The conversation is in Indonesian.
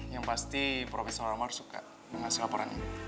yang pasti profesor omar suka yang ngasih laporannya